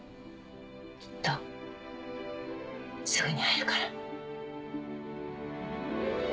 きっとすぐに会えるから。